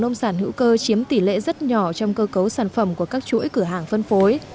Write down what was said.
nông sản hữu cơ chiếm tỷ lệ rất nhỏ trong cơ cấu sản phẩm của các chuỗi cửa hàng phân phối